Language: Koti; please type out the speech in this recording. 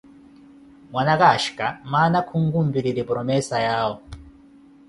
Mwana aka axhikha mana khukumpirireeni promesa yawo.